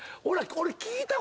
俺。